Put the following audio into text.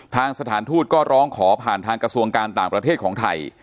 สถานทูตก็ร้องขอผ่านทางกระทรวงการต่างประเทศของไทย